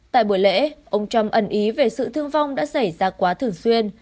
tại buổi lễ ông trump ẩn ý về sự thương vong đã xảy ra quá thường xuyên